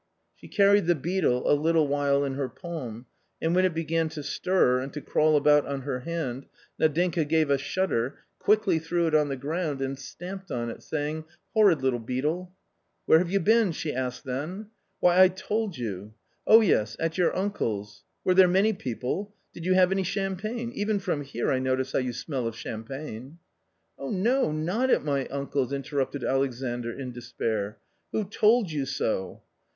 She carried the beetle a little while in her palm, and when it began to stir and to crawl about on her hand Nadinka gave a shudder, quickly threw it on the ground, and stamped on it, saying, " horrid little beetle !"" Where have you been ?" she asked then. " Why, I told you " "Oh, yes, at your uncle's. Were there many people? Did you have any champagne ? Even from here I notice how you smell of champagne." "Oh no, not at my uncled," interrupted Alexandr in despair. " Who told you so